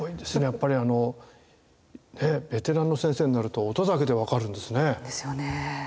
やっぱりあのねベテランの先生になると音だけでわかるんですね。ですよね。